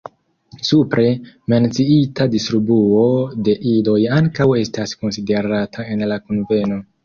Supre menciita distribuo de idoj ankaŭ estas konsiderata en la kunveno.